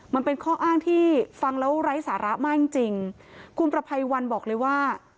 มันเป็นข้ออ้างที่ฟังแล้วไร้สาระมากจริงจริงคุณประภัยวันบอกเลยว่า